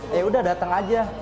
yaudah dateng aja